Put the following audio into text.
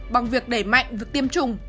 bằng việc đẩy mạnh việc tiêm chủng